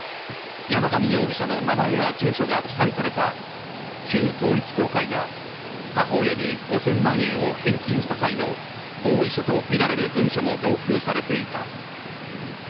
山上容疑者の名前や住所が記載された旧統一教会が母親に５０００万円を返金した際の合意書と見られる文書も同封されていた。